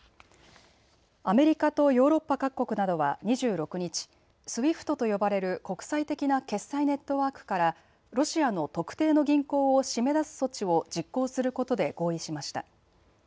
アメリカとヨーロッパ各国などは２６日、ＳＷＩＦＴと呼ばれる国際的な決済ネットワークからロシアの特定の銀行を締め出す措置を実行することで合意しました。